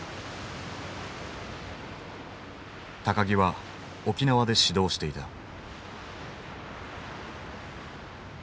木は沖縄で始動していた。